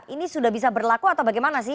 ini sudah bisa berlaku atau bagaimana sih